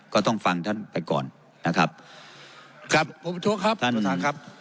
ก็ต้องฟังท่านไปก่อนนะครับครับผมประท้วงครับท่านอุทานครับ